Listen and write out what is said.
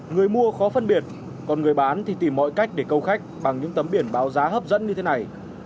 người mua khó phân biệt còn người bán thì tìm mọi cách để câu khách bằng những tấm biển báo giá hấp dẫn như thế này